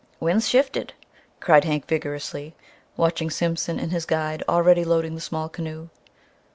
"Wind's shifted!" cried Hank vigorously, watching Simpson and his guide already loading the small canoe.